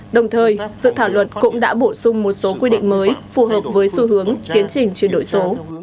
đồng thời dự thảo luật cũng đã bổ sung một số quy định mới phù hợp với xu hướng tiến trình chuyển đổi số